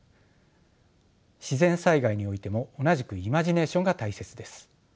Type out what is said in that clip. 自然災害においても同じくイマジネーションが大切です。